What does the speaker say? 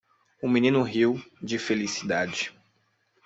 O menino riu - de felicidade.